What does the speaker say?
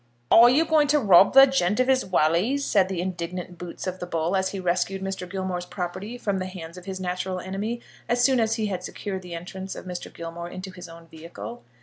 "Are you a going to rob the gent of his walise?" said the indignant Boots of the Bull as he rescued Mr. Gilmore's property from the hands of his natural enemy, as soon as he had secured the entrance of Mr. Gilmore into his own vehicle.